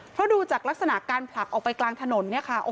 เพราะดูจากลักษณะการผลักออกไปกลางถนน